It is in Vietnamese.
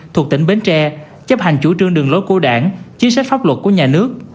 thuộc tỉnh bến tre chấp hành chủ trương đường lối của đảng chính sách pháp luật của nhà nước